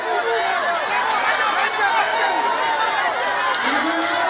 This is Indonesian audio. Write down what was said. aduh aduh aduh